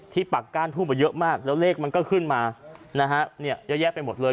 ที่ปักก้านทูบมาเยอะมากแล้วเลขมันก็ขึ้นมายาแยะไปหมดเลย